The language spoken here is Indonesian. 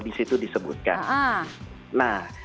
di situ disebutkan nah